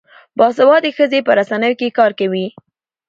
باسواده ښځې په رسنیو کې کار کوي.